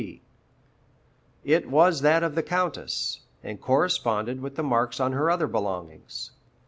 C. It was that of the Countess, and corresponded with the marks on her other belongings.